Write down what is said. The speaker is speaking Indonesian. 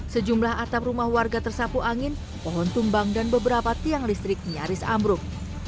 sejumlah atap rumah warga tersapu angin pohon tumbang dan beberapa tiang listrik nyaris ambruk